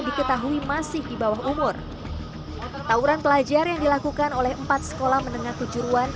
diketahui masih di bawah umur tawuran pelajar yang dilakukan oleh empat sekolah menengah kejuruan